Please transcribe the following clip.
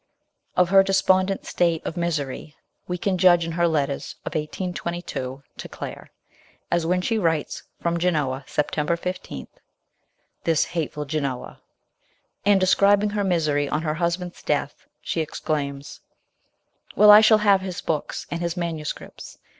Of her despondent state of WIDOWHOOD. 175 misery we can judge in her letters of 1822 to Claire, as when she writes from Genoa, September 15, "This hateful Genoa"; and, describing her misery on her husband's death, she exclaims: " Well, I shall have his books and his MSS.